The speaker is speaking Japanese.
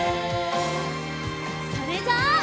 それじゃあ。